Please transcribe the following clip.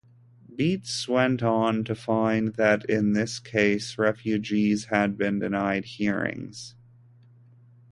Beetz went on to find that in this case, refugees had been denied hearings.